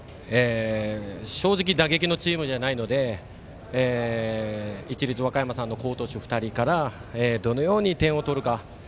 正直打撃のチームじゃないので市立和歌山の好投手２人からどのように点を取るか。